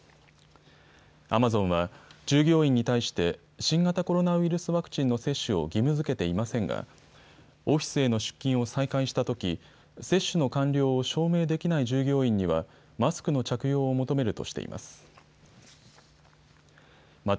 アマゾンは従業員に対して新型コロナウイルスワクチンの接種を義務づけていませんがオフィスへの出勤を再開したとき接種の完了を証明できない従業員にはマスクの着用を求めるとしています。